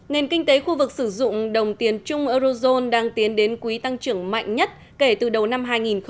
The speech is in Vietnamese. nền kinh tế khu vực sử dụng đồng tiền chung eurozone đang tiến đến quý tăng trưởng mạnh nhất kể từ đầu năm hai nghìn một mươi tám